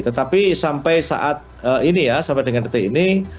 tetapi sampai saat ini ya sampai dengan detik ini